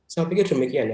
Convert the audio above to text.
saya pikir demikian ya